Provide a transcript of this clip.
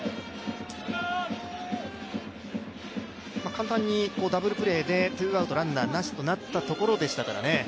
簡単にダブルプレーでツーアウトランナーなしとなったところでしたからね。